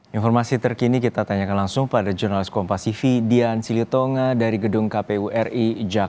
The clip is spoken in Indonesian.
informasi terkini kita tanyakan langsung pada jurnalis kompasifi dian silitonga dari gedung kpu ri jakarta